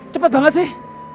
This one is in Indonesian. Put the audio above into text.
cepet banget sih